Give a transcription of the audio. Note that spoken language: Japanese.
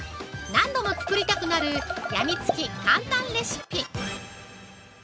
何度も作りたくなるヤミつき簡単レシピ。